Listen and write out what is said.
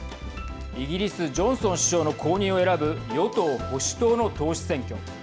イギリス、ジョンソン首相の後任を選ぶ与党・保守党の党首選挙。